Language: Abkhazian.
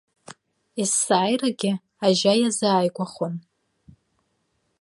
Есааирагьы ажьа иазааигәахон.